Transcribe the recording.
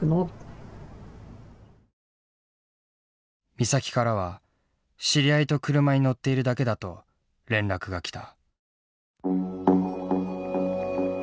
美咲からは知り合いと車に乗っているだけだと連絡が来た。